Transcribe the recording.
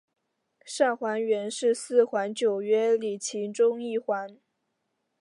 上环原是四环九约里其中一环。